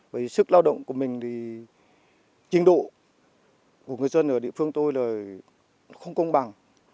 bởi sức lao động của mình thì trình độ của người dân ở địa phương tôi là không công bằng